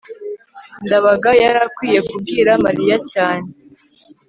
ndabaga yari akwiye kubwira mariya cyane